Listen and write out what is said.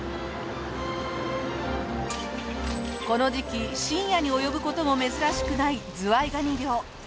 この時期深夜に及ぶ事も珍しくないズワイガニ漁。